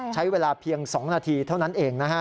ใช้เวลาเพียง๒นาทีเท่านั้นเองนะฮะ